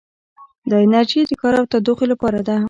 دا انرژي د کار او تودوخې لپاره ده.